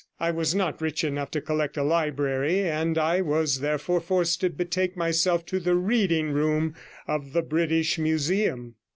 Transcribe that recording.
I was not rich enough to collect a library, and I was therefore forced to betake myself to the Reading Room of the British Museum.